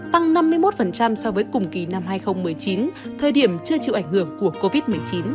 tăng năm mươi một so với cùng kỳ năm hai nghìn một mươi chín